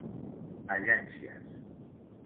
Agències: